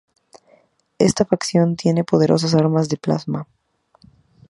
Esta facción tiene poderosas armas de plasma.